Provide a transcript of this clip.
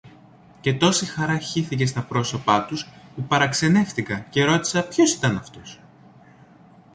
Και τόση χαρά χύθηκε στα πρόσωπα τους, που παραξενεύθηκα και ρώτησα ποιος ήταν αυτός.